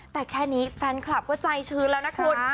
แต่แค่นี้แฟนคลับก็ใจชื้นแล้วนะคุณ